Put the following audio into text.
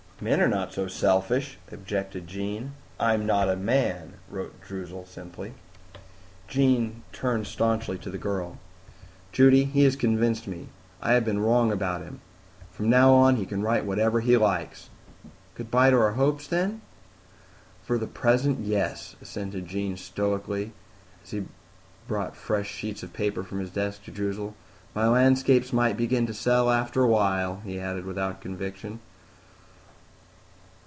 "Men are not so selfish," objected Jean. "I am not a man," wrote Droozle simply. Jean turned staunchly to the girl. "Judy, he has convinced me. I have been wrong about him. From now on he can write whatever he likes!" "Good by to our hopes then?" "For the present, yes," assented Jean stoically, as he brought fresh sheets of paper from his desk for Droozle. "My landscapes might begin to sell after a while," he added without conviction.